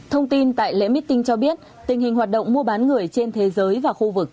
thông tin tại lễ miết tình cho biết tình hình hoạt động mô bán người trên thế giới và khu vực